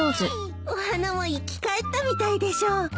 お花も生き返ったみたいでしょう。